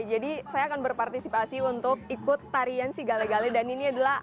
oke jadi saya akan berpartisipasi untuk ikut tarian sigale gale dan ini adalah